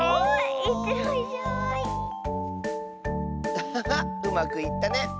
アハハうまくいったね！